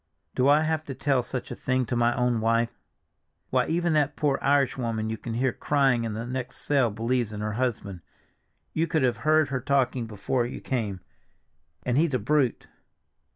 Do I have to tell such a thing to my own wife? Why, even that poor Irish woman you can hear crying in the next cell believes in her husband; you should have heard her talking before you came—and he's a brute."